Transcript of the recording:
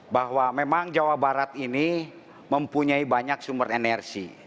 bahwa memang jawa barat ini mempunyai banyak sumber energi